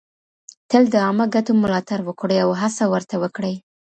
تل د عامه ګټو ملاتړ وکړئ او هڅه ورته وکړئ.